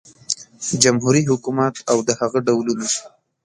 جمهوري حکومت او د هغه ډولونه